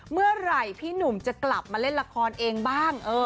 เมื่อไหร่พี่หนุ่มจะกลับมาเล่นละครเองบ้าง